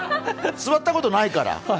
座ったことないから。